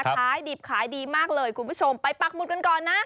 ขายดิบขายดีมากเลยคุณผู้ชมไปปักหมุดกันก่อนนะ